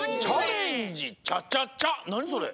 なにそれ？